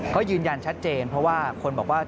เขายืนยันชัดเจนเพราะว่าคนบอกว่า